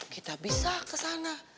kita bisa kesana